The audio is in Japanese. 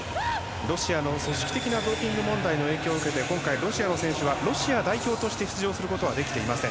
ロシアの組織的なドーピング問題の影響を受けて今回、ロシアの選手はロシア代表として出場することはできていません。